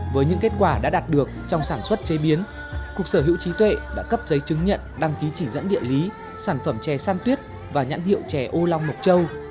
với những kết quả đã đạt được trong sản xuất chế biến cục sở hữu trí tuệ đã cấp giấy chứng nhận đăng ký chỉ dẫn địa lý sản phẩm chè san tuyết và nhãn hiệu chè âu long mộc châu